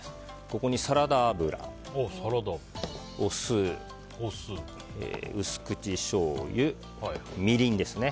ここにサラダ油、お酢薄口しょうゆ、みりん